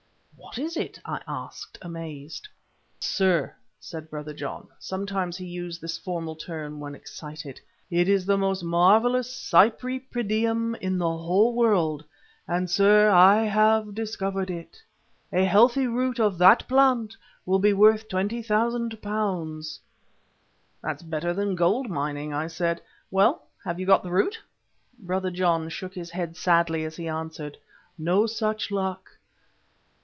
"What is it?" I asked, amazed. "Sir," said Brother John, sometimes he used this formal term when excited, "it is the most marvellous Cypripedium in the whole earth, and, sir, I have discovered it. A healthy root of that plant will be worth £20,000." "That's better than gold mining," I said. "Well, have you got the root?" Brother John shook his head sadly as he answered: "No such luck."